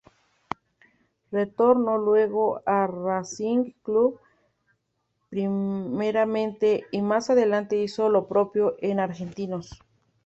Retornó luego a Racing Club primeramente, y más adelante hizo lo propio en Argentinos.